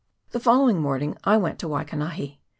The following morning I went to Waikanahi.